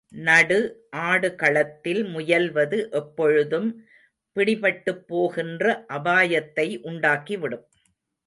நடு ஆடுகளத்தில் முயல்வது, எப்பொழுதும் பிடிபட்டுப் போகின்ற அபாயத்தை உண்டாக்கிவிடும்.